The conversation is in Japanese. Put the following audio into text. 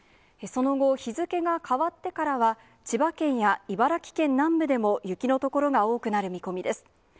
その後、日付が変わってからは、千葉県や茨城県南部でも雪の所が多くなる見込みです。